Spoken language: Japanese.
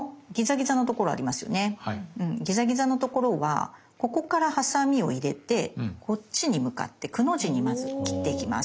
ギザギザのところはここからハサミを入れてこっちに向かって「く」の字にまず切っていきます。